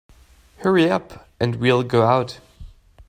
Hurry up and we'll go out.